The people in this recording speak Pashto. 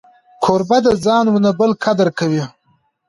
کوربه د ځان و نه بل قدر کوي.